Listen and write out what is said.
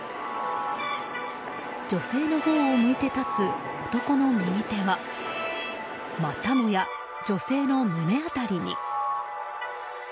女性のほうを向いて立つ男の右手はまたもや女性の胸辺りに！